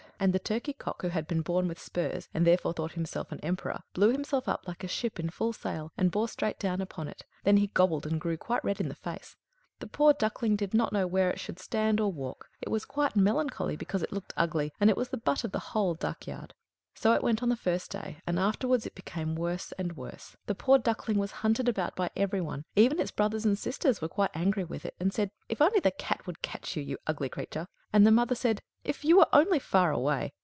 And the turkey cock, who had been born with spurs, and therefore thought himself an emperor, blew himself up like a ship in full sail, and bore straight down upon it; then he gobbled and grew quite red in the face. The poor Duckling did not know where it should stand or walk; it was quite melancholy because it looked ugly, and was the butt of the whole duck yard. So it went on the first day; and afterwards it became worse and worse. The poor Duckling was hunted about by every one; even its brothers and sisters were quite angry with it, and said, "If the cat would only catch you, you ugly creature!" And the mother said, "If you were only far away!"